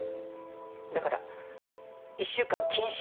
だから１週間謹慎。